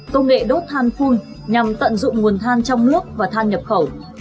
công nghệ đốt than phun nhằm tận dụng nguồn than trong nước và than nhập khẩu